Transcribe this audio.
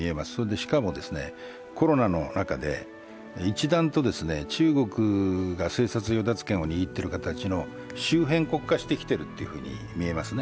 しかもコロナの中で一段と中国が生殺与奪権を握っている形の周辺国化してきていると思いますね。